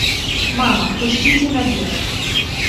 Мама, пусціце на бераг.